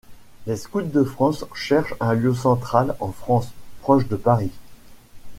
Les Scouts de France cherchent un lieu central en France, proche de Paris.